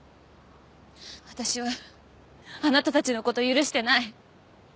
私はあなたたちのこと許してない！